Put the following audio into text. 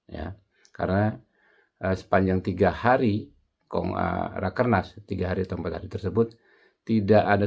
ya karena sepanjang tiga hari rakernas tiga hari atau empat hari tersebut tidak ada